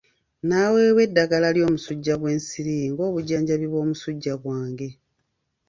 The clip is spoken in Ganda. Naweebwa eddagala ly'omusujjja gw'ensiri nga obujjanjabi bw'omusujja gwange.